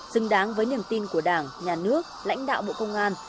xứng đáng với niềm tin của đảng nhà nước lãnh đạo bộ công an